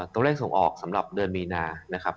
ตัวเลขส่งออกสำหรับเดือนมีนานะครับ